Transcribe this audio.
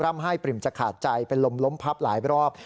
ให้ปริ่มจะขาดใจเป็นลมล้มพับหลายรอบ